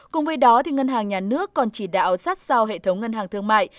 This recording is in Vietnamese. cùng với đó ngân hàng nhà nước còn chỉ đạo sát sao hệ thống ngân hàng thương mại